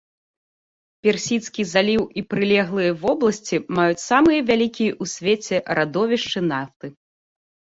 Персідскі заліў і прылеглыя вобласці маюць самыя вялікія ў свеце радовішчы нафты.